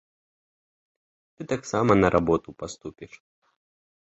Ты таксама на работу паступіш.